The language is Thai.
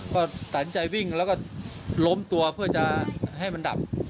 ก็ตัดสินใจวิ่งแล้วก็ล้มตัวเพื่อจะให้มันดับ